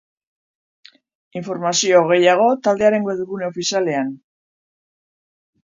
Informazio gehiago taldearen webgune ofizialean.